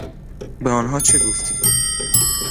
به آنها چه گفتی؟